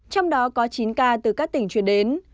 trong đó có chín ca từ các tỉnh chuyển đến